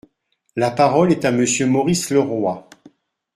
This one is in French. La parole est à Monsieur Maurice Leroy.